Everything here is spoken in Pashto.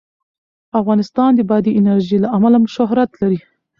افغانستان د بادي انرژي له امله شهرت لري.